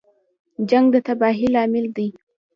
جنګ د تباهۍ لامل دی